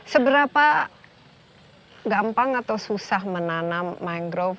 seberapa gampang atau susah menanam mangrove